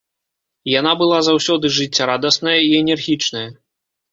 Яна была заўсёды жыццярадасная і энергічная.